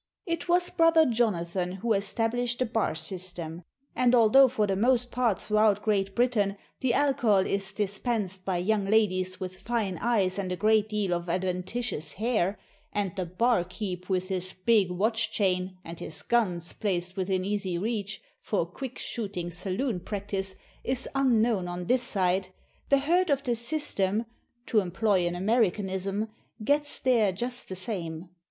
It was Brother Jonathan who established the bar system; and although for the most part, throughout Great Britain, the alcohol is dispensed by young ladies with fine eyes and a great deal of adventitious hair, and the "bar keep," with his big watch chain, and his "guns," placed within easy reach, for quick shooting saloon practice, is unknown on this side, the hurt of the system (to employ an Americanism) "gets there just the same."